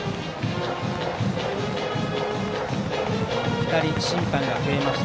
２人審判が増えました。